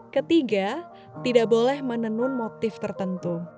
ketiga tidak boleh menenun motif tertentu